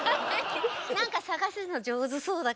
何か探すの上手そうだから。